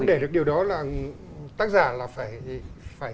để được điều đó là tác giả là phải